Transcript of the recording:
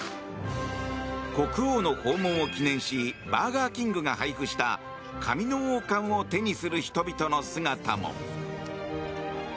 国王の訪問を記念しバーガーキングが配布した紙の王冠を手にする人々の姿も。